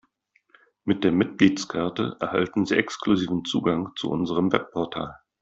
Mit der Mitgliedskarte erhalten Sie exklusiven Zugang zu unserem Webportal.